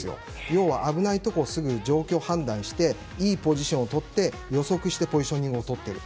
要は危ないところすぐ状況を判断していいポジションをとって予測してポジショニングしている。